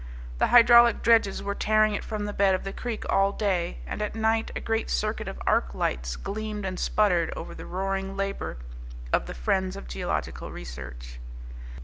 The hydraulic dredges were tearing it from the bed of the creek all day, and at night a great circuit of arc lights gleamed and sputtered over the roaring labour of the friends of geological research.